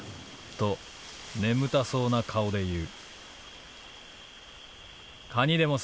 「と眠たそうな顔で言う」。